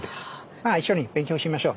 まあ一緒に勉強しましょう。